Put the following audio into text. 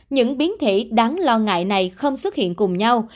những biến thể đáng lo ngại này không xuất hiện cùng nhau